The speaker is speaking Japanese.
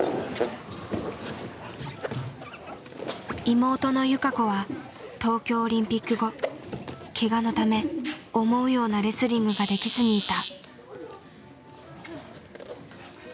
妹の友香子は東京オリンピック後けがのため思うようなレスリングができずにいた。